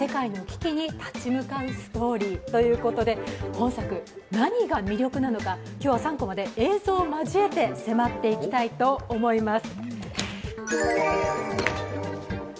本作、何が魅力なのか今日は３コマで映像を交えて迫っていきたいと思います。